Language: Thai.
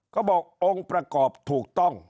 เขาบอกองค์ประกอบถูกต้อง